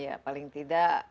ya paling tidak